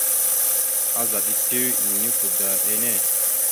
Azaɗ etew enikwada enne.